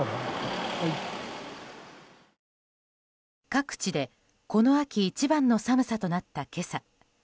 各地でこの秋一番の寒さとなった今朝。